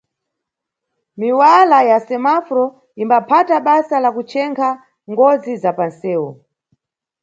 Miwala ya semaforo imbaphata basa la kuchenkha ngozi za panʼsewu.